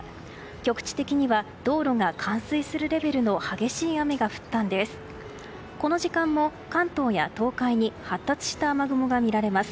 局地的には道路が冠水するレベルの激しい雨が降ったんです。